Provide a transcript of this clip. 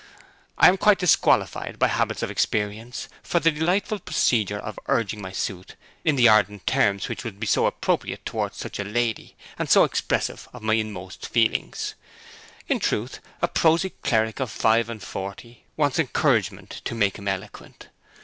I am quite disqualified, by habits and experience, for the delightful procedure of urging my suit in the ardent terms which would be so appropriate towards such a lady, and so expressive of my inmost feeling. In truth, a prosy cleric of five and forty wants encouragement to make him eloquent.